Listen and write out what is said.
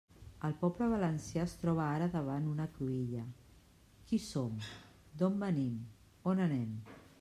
El poble valencià es troba ara davant una cruïlla: qui som, d'on venim, on anem.